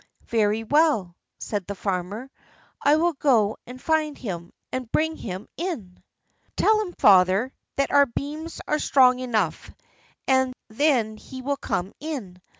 "Very well," said the farmer; "I will go and find him, and bring him in." "Tell him, father, that our beams are strong enough, and then he will come in.